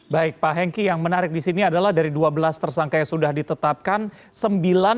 baik pak hengki yang menarik di sini adalah dari dua belas tersangka yang sudah ditetapkan